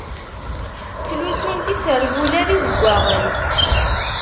Ttlussunt iserwula d izeggaɣen.